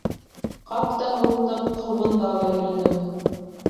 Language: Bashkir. Ҡап та һуҡтыҡ, ҡыуғында ла йөрөнөк.